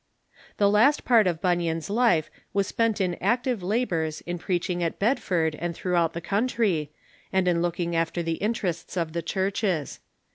The last part of Bunyan's life was spent in active labors in preaching at Bedford and thi'oughout the country, and in look ing after the interests of the churches.